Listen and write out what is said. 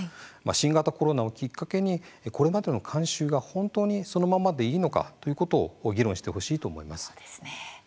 新型コロナをきっかけにこれまでの慣習が本当にそのままでいいのかということを議論してほしいと思います。